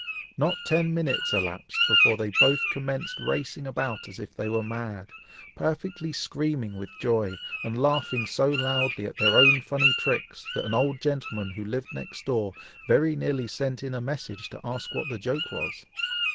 Not ten minutes elapsed before they both commenced racing about as if they were mad, perfectly screaming with joy, and laughing so loudly at their own funny tricks, that an old gentleman who lived next door, very nearly sent in a message to ask what the joke was.